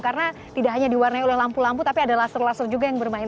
karena tidak hanya diwarnai oleh lampu lampu tapi ada laser laser juga yang bermain